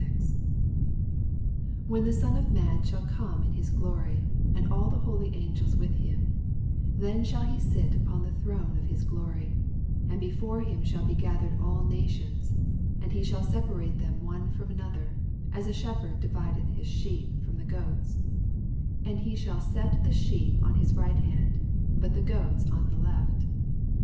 81 When the Bon of man shall eome in his glory, and all the hol^ angels with him, then shall he sit upon the throne of his glory : 82 And before him shall be gathered all nations: and he shall separate them one fh>m another, as a shepherd divideth Ma sheep firom the goats : 83 And he shall set the sheep on his right hand, bat the goats on the left.